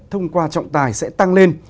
thông qua trồng tài sẽ tăng lên